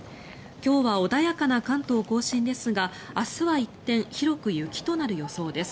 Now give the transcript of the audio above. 今日は穏やかな関東・甲信ですが明日は一転広く雪となる予想です。